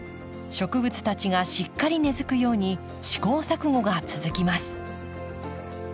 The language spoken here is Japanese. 植物たちがしっかり根づくように試行錯誤が続きます。